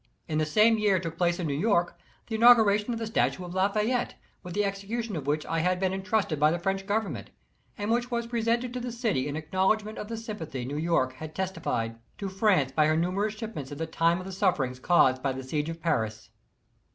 In the same year took place in New York the inauguration of the statue of Lafayette, with the execution of which I had been intrusted by the French Government, and which was presented to the city in acknowledgment of the sympathy New York had testi fied to France by her numerous shipments at the time of the sufferings caused by the siege of Paris.